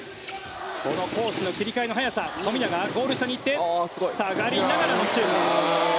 このコースの切り替えの早さ富永、ゴール下に行って下がりながらのシュート。